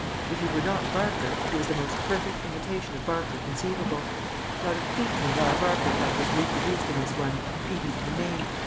If he were not Barker he was the most perfect imitation of Barker conceivable. Not a feature of our Barker but was reproduced in this one, even to the name.